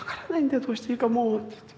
どうしていいかもう」って言って。